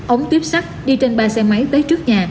ống tuyếp sắt đi trên ba xe máy tới trước nhà